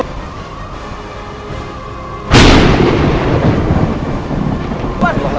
ya allah pak